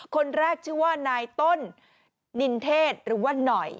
คนแรกชื่อว่านายต้นนินเทศหรือว่าหน่อย